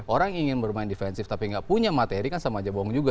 orang ingin bermain defensif tapi nggak punya materi kan sama aja bohong juga